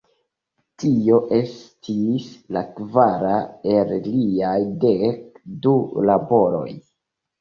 Tio estis la kvara el liaj dek du laboroj.